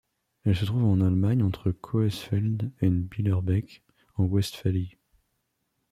Elle se trouve en Allemagne entre Coesfeld et Billerbeck en Westphalie.